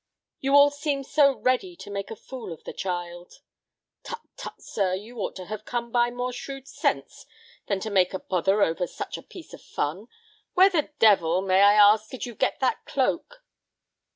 "You all seemed so ready to make a fool of the child." "Tut—tut, sir, you ought to have come by more shrewd sense than to make a pother over such a piece of fun. Where the devil, may I ask, did you get that cloak?"